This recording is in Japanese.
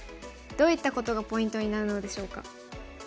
どういったことがポイントになるのでしょうか？